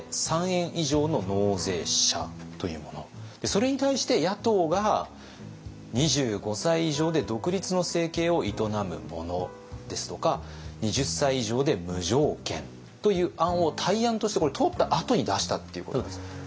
それに対して野党が２５歳以上で独立の生計を営む者ですとか２０歳以上で無条件という案を対案として通ったあとに出したっていうことですか？